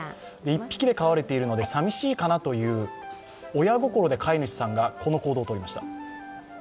１匹で飼われているのでさみしいかなという親心で飼い主さんがこの行動をとりました。